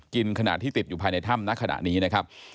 กินขนาดที่ติดอยู่ภายในถ้ำนักขนาดนี้นะครับ